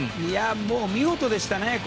もう見事でしたね。